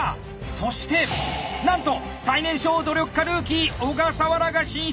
そしてなんと最年少努力家ルーキー小笠原が進出！